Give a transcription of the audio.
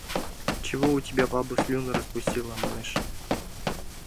— Чего у тебя баба слюны распустила? — манеш.